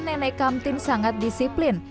nenek kamtin sangat disiplin